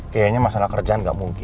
kayaknya masalah kerjaan nggak mungkin